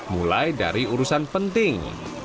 mulai dari urusan penting